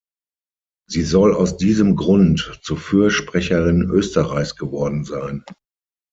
Sie soll aus diesem Grund zur Fürsprecherin Österreichs geworden sein.